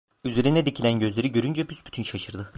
Üzerine dikilen gözleri görünce büsbütün şaşırdı.